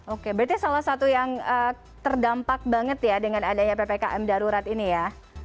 oke berarti salah satu yang terdampak banget ya dengan adanya ppkm darurat ini ya